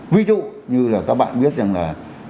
ví dụ như là các bạn biết rằng là